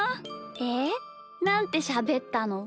えなんてしゃべったの？